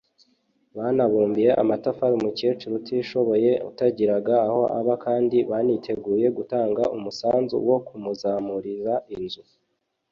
banabumbiye amatafari umukecuru utishoboye utagiraga aho aba kandi baniteguye gutanga umusanzu wo kumuzamurira inzu